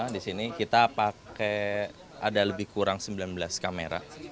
disini kita pakai ada lebih kurang sembilan belas kamera